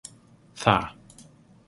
Tha.